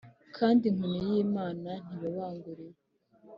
kandi inkoni y’imana ntibabanguriwe